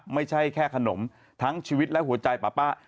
ไม่ใช่แค่ขนมทั้งชีวิตและหัวใจป๊าป้า